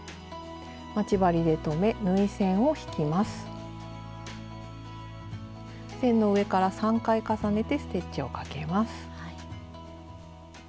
線の上から３回重ねてステッチをかけます。